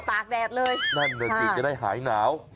ตากแดดเลยนั่นแบบนี้จะได้หายหนาว